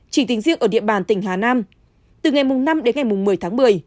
chỉ tính riêng ở địa bàn tỉnh hà nam từ ngày năm đến ngày một mươi tháng một mươi